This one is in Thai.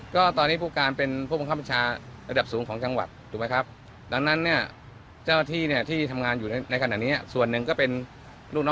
ก็ตอนนี้ผู้การเป็นผู้บังคับประชาระดับสูงของจังหวัด